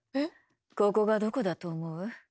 ここがどこだと思う？